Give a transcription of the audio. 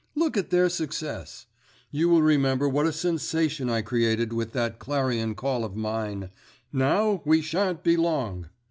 Look at their success. You will remember what a sensation I created with that clarion call of mine, 'Now we sha'n't be long!